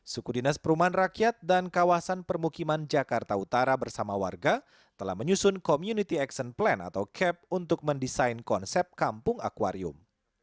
suku dinas perumahan rakyat dan kawasan permukiman jakarta utara bersama warga telah menyusun community action plan atau cap untuk mendesain konsep kampung akwarium